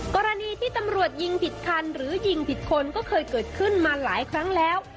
กรณีที่ตำรวจยิงผิดคันหรือยิงผิดคนก็เคยเกิดขึ้นมาหลายครั้งแล้ว